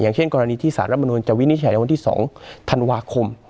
เช่นกรณีที่สารรัฐมนุนจะวินิจฉัยในวันที่๒ธันวาคม